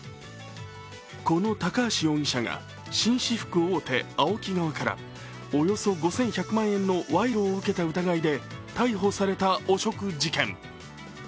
この高橋容疑者が紳士服大手・ＡＯＫＩ側からおよそ５１００万円の賄賂を受けた疑いで逮捕された汚職事件。